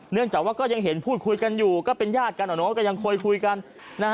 เนื่องจากว่าก็ยังเห็นพูดคุยกันอยู่ก็เป็นญาติกันอ่ะเนอะก็ยังคอยคุยกัน